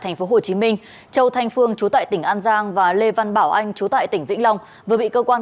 tp hcm châu thanh phương chú tại tỉnh an giang và lê văn bảo anh chú tại tỉnh vĩnh long vừa bị cơ quan